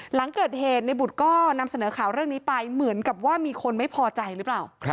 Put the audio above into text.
หลังเกิดเหตุในบุตรก็นำเสนอข่าวเรื่องนี้ไปเหมือนกับว่ามีคนไม่พอใจหรือเปล่า